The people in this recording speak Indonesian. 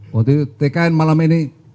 waktu itu tkn malam ini